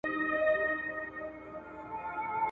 په ځنګله کي د خپل ښکار په ننداره سو ,